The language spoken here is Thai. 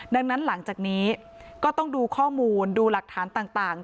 ดังนั้นหลังจากนี้ก็ต้องดูข้อมูลดูหลักฐานต่าง